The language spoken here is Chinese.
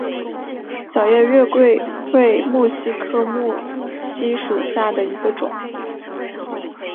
小叶月桂为木犀科木犀属下的一个种。